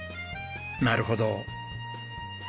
なるほど。